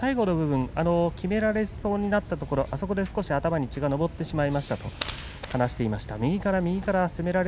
きめられそうになったところで頭にちょっと血が上ってしまいましたと話しています。